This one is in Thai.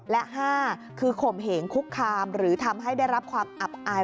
และ๕คือข่มเหงคุกคามหรือทำให้ได้รับความอับอาย